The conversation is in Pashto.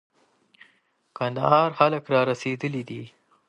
کندهار خلک را رسېدلي دي.